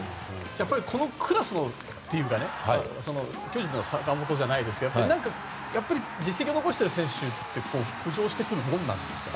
やっぱりこのクラスのというか巨人の坂本じゃないですが実績を残している選手って浮上してくるものなんですか。